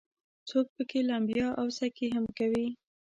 څوک پکې لمبا او سکي هم کوي.